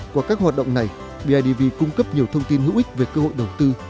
qua các hoạt động này bidv cung cấp nhiều thông tin hữu ích về cơ hội đầu tư